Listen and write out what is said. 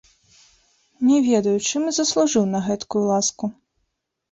Не ведаю, чым і заслужыў на гэткую ласку?